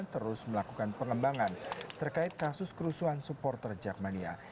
terus melakukan pengembangan terkait kasus kerusuhan supporter jackmania